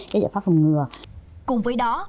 giải pháp phòng ngừa cùng với đó